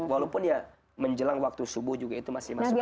walaupun ya menjelang waktu subuh juga itu masih masuk